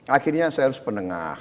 akhirnya saya harus penengah